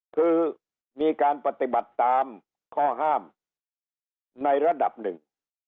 คือมีการปฏิบัติตามข้อห้ามในระดับหนึ่ง